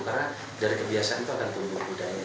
karena dari kebiasaan itu akan tumbuh budaya